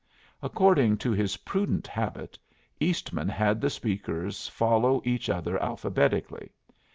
According to his prudent habit, Eastman had the speakers follow each other alphabetically.